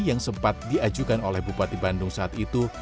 yang sempat diajukan oleh bupati bandung saat itu